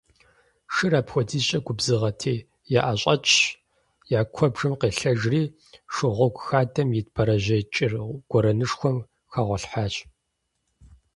Шыр апхуэдизкӏэ губзыгъэти, яӏэщӏэкӏщ, я куэбжэм къелъэжри, шыгъуэгу хадэм ит бэрэжьей кӏыр гуэрэнышхуэм хэгъуэлъхьащ.